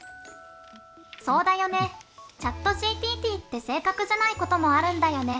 そうだよねＣｈａｔＧＰＴって正確じゃないこともあるんだよね。